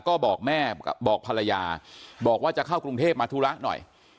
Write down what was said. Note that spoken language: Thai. ก็บอกแม่บอกภรรยาบอกว่าจะเข้ากรุงเทพมาธุระหน่อย